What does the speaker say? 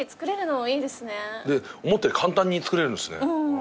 思ったより簡単に作れるんすね。